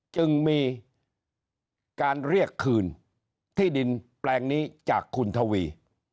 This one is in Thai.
จึงมีการเรียกคืนที่ดินแปลงนี้จากคุณทวี